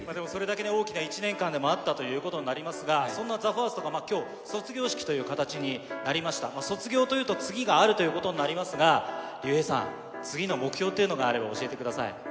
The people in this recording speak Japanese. それだけ大きな１年間でもあったということになりますが、そんなＴＨＥＦＩＲＳＴがきょう、卒業式という形になりました、卒業というと次があるということになりますが、ＲＹＵＨＥＩさん、次の目標というのがあれば教えてください。